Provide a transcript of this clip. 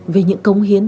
về những cống hiến